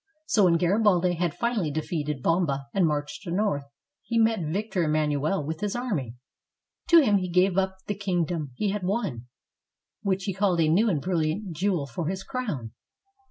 So when Garibaldi had finally defeated Bomba and marched north, he met Victor Emmanuel with his army. To him he gave up the king 131 ITALY dom he had won, which he called a new and brilliant jewel for his crown.